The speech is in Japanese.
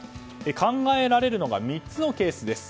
考えられるのが３つのケースです。